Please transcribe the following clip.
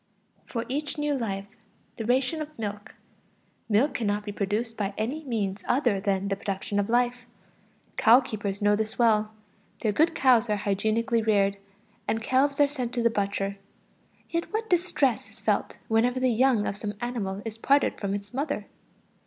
For each new life, the ration of milk. Milk cannot be produced by any means other than the production of life. Cow keepers know this well; their good cows are hygienically reared, and calves are sent to the butcher. Yet what distress is felt whenever the young of some animal is parted from its mother!